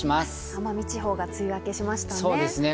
奄美地方が梅雨明けしましたね。